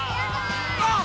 あっ！